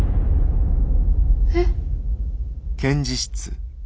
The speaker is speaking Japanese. えっ。